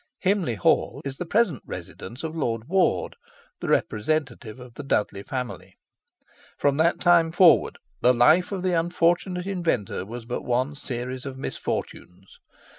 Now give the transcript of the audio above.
Himley Hall is the present residence of Lord Ward, the representative of the Dudley family. From that time forward, the life of the unfortunate inventor was but one series of misfortunes.